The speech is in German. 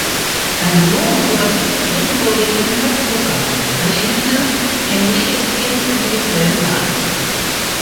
Sein Sohn Robert Estienne wurde ebenfalls Drucker, sein Enkel Henri Estienne unter demselben Namen.